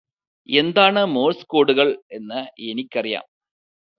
എന്താണ് മോഴ്സ് കോഡുകൾ എന്ന് എനിക്കറിയാം